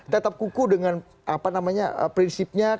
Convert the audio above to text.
tetap kuku dengan apa namanya prinsipnya